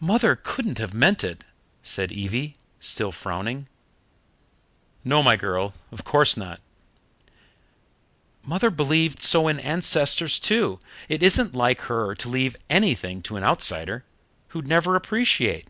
"Mother couldn't have meant it," said Evie, still frowning. "No, my girl, of course not." "Mother believed so in ancestors too it isn't like her to leave anything to an outsider, who'd never appreciate.